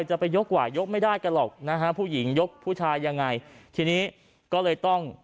จะไปยกกว่ายกไม่ได้กันหรอกนะฮะผู้หญิงยกผู้ชายยังไงทีนี้ก็เลยต้อง